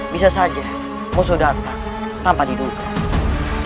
bisa saja musuh datang tanpa dibuka